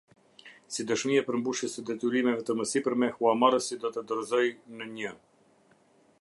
Si dëshmi e përmbushjes së detyrimeve të mësipërme, Huamarrësi do të dorëzojë në një.